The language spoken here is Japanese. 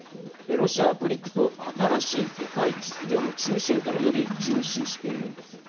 ロシアはＢＲＩＣＳを新しい世界秩序の中心とも呼び重視しているんです。